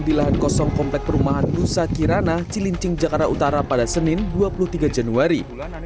di lahan kosong komplek perumahan nusa kirana cilincing jakarta utara pada senin dua puluh tiga januari